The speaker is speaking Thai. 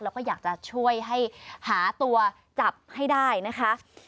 แล้วก็อยากจะช่วยให้หาตัวจับให้ได้นะคะ